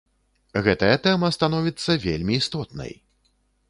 Гэтая тэма становіцца вельмі істотнай.